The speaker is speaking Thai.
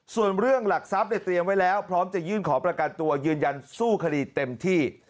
ส่วนเรื่องหลักทรัพย์เนี่ยเตรียมไว้แล้วพร้อมจะยื่นขอประกันตัวยืนยันสู้คดีเต็มที่